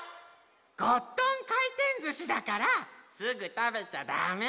ゴットンかいてんずしだからすぐたべちゃダメ！